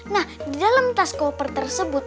nah di dalam tas koper tersebut